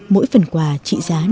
mỗi phần quà trị giá năm trăm linh đồng